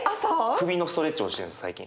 首のストレッチをしてるんです最近。